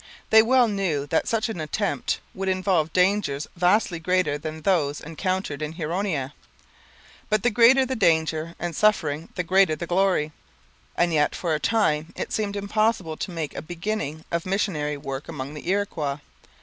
They well knew that such an attempt would involve dangers vastly greater than those encountered in Huronia; but the greater the danger and suffering the greater the glory. And yet for a time it seemed impossible to make a beginning of missionary work among the Iroquois.